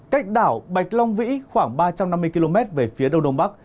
cách đảo bạch long vĩ khoảng ba trăm năm mươi km về phía đông đông bắc